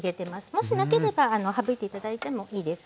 もしなければ省いて頂いてもいいです。